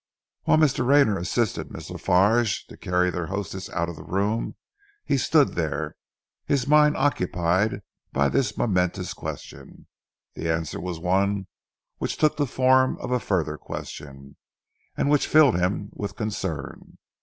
Whilst Mr. Rayner assisted Miss La Farge to carry their hostess out of the room, he stood there, his mind occupied by this momentous question. The answer was one which took the form of a further question and which filled him with concern.